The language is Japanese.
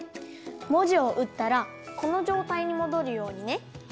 もじをうったらこのじょうたいにもどるようにね。